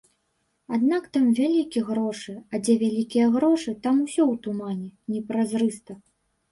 Аднак там вялікі грошы, а дзе вялікія грошы, там усё ў тумане, непразрыста.